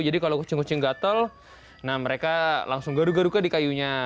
jadi kalau kucing kucing gatel nah mereka langsung garu garu ke di kayunya